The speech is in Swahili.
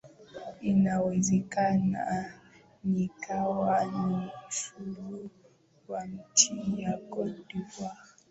inawezekana ikawa ni suluhu kwa nchi ya cote de voire